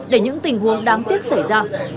để những tình huống đáng tiếc xảy ra